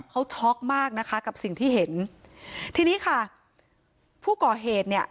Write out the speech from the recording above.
เขาช็อกมากนะคะกับสิ่งที่เห็นทีนี้ค่ะผู้ก่อเหตุเนี่ย